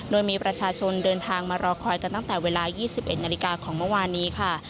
โดยมีประชาชนเดินทางมารอคอยกันตั้งแต่เวลา๒๑นาฬิกาของเมื่อวานนี้ค่ะ